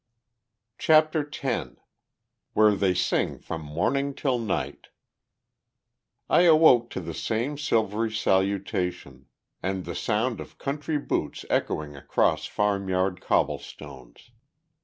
CHAPTER X WHERE THEY SING FROM MORNING TILL NIGHT I awoke to the same silvery salutation, and the sound of country boots echoing across farm yard cobble stones.